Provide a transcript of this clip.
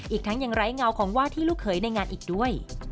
อีกทั้งยังไร้เงาของว่าที่ลูกเขยในงานอีกด้วย